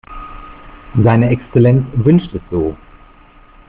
Seine Exzellenz wünscht es so.